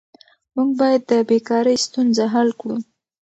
موږ باید د بیکارۍ ستونزه حل کړو.